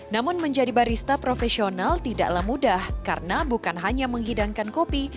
namun menjadi barista profesional tidaklah mudah karena bukan hanya menghidangkan kopi